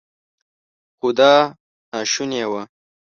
خو دا ناشونې وه.